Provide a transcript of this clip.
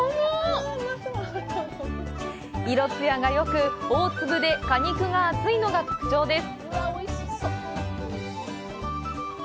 色艶がよく、大粒で果肉が厚いのが特徴です。